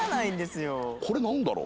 これなんだろう？